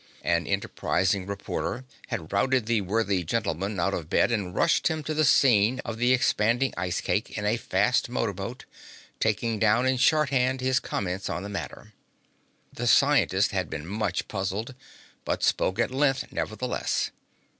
An enterprising reporter had routed the worthy gentleman out of bed and rushed him to the scene of the expanding ice cake in a fast motor boat, taking down in shorthand his comments on the matter. The scientist had been much puzzled, but spoke at length nevertheless.